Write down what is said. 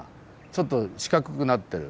ちょっと四角くなってる。